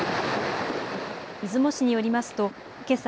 出雲市によりますとけさ